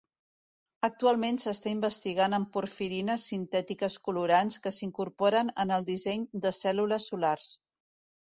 Actualment s'està investigant en porfirines sintètiques colorants que s'incorporen en el disseny de cèl·lules solars.